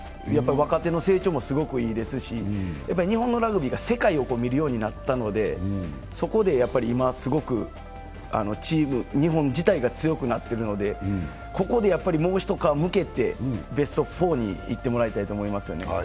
若手の成長もすごくいいですし日本のラグビーが世界を見るようになったので、そこで今すごく日本自体が強くなってるので、ここでもう一皮むけてベスト４にいってもらいたいと思いますよね。